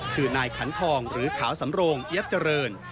คือนายขันทองหรือขาวสำโรงเอี๊ยบเจริญ